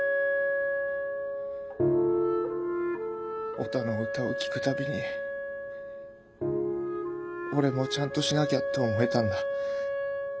オタの歌を聴く度に俺もちゃんとしなきゃって思えたんだ。